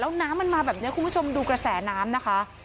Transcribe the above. แล้วน้ำมันมาแบบนี้คุณผู้ชมดูกระแสน้ำนะคะ